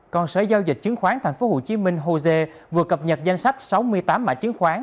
còn sở giao dịch chứng khoán tp hcm hosea vừa cập nhật danh sách sáu mươi tám mã chứng khoán